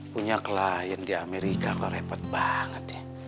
punya klien di amerika kok repot banget ya